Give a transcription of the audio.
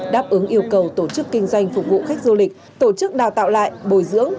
đáp ứng yêu cầu tổ chức kinh doanh phục vụ khách du lịch tổ chức đào tạo lại bồi dưỡng